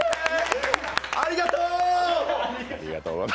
ありがとう。